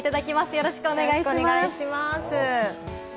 よろしくお願いします。